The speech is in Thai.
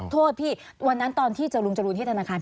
โทษพี่วันนั้นตอนที่เจอลุงจรูนที่ธนาคาร